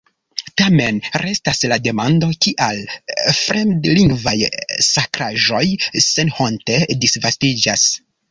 Tamen restas la demando, kial fremdlingvaj sakraĵoj senhonte disvastiĝas.